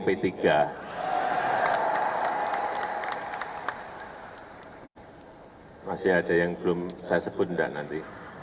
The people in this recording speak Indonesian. masih ada yang belum saya sebut enggak nanti